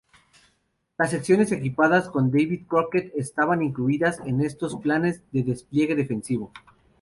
Las secciones equipadas con Davy Crockett estaban incluidas en estos planes de despliegue defensivo.